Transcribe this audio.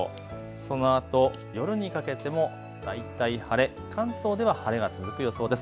そのあと、夜にかけても大体晴れ、関東では晴れが続く予想です。